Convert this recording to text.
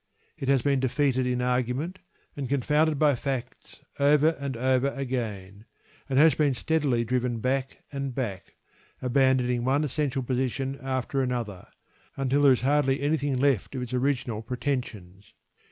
It has been defeated in argument and confounded by facts over and over again, and has been steadily driven back and back, abandoning one essential position after another, until there is hardly anything left of its original pretensions.